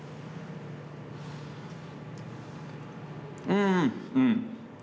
うんうん。